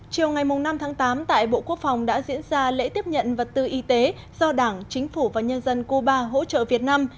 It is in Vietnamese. chiều ngày năm tháng tám tại bộ quốc phòng đã diễn ra lễ tiếp nhận vật tư y tế do đảng chính phủ và nhân dân cuba hỗ trợ việt nam